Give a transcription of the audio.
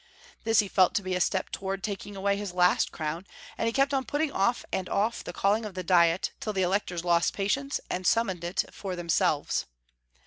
This he felt to be a step towards taking away his last crown, and he kept on putting off and off the calling of the diet till the Electors lost patience, and simimoned it for themselves.